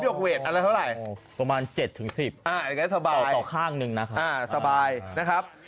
ยอคเวทอะไรเท่าไรประมาณ๗๑๐ต่อข้างหนึ่งนะฮะฟัสดีนะครับ